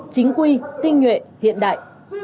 kinh nguyện hiện đại